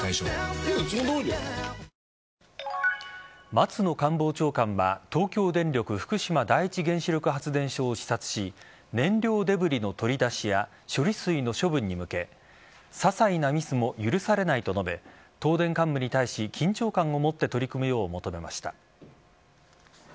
松野官房長官は東京電力福島第一原子力発電所を視察し燃料デブリの取り出しや処理水の処分に向けささいなミスも許されないと述べ東電幹部に対し緊張感を持って取り組むよう求めました。